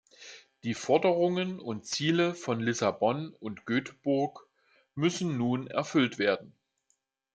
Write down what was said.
Die Forderungen und Ziele von Lissabon und Göteborg müssen nun erfüllt werden.